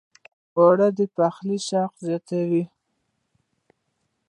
اوړه د پخلي شوق زیاتوي